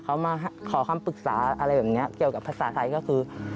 เขามาขอคำปรึกษาอะไรแบบนี้เกี่ยวกับภาษาไทยก็คือ